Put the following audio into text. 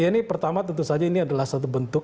ya ini pertama tentu saja ini adalah satu bentuk